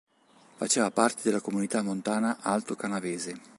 Faceva parte della Comunità montana Alto Canavese.